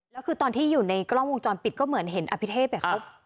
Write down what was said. แล้วคือตอนที่อยู่ในกล้องวงจรปิดก็เหมือนเห็นอภิเทพ